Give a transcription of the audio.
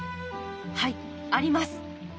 はいあります。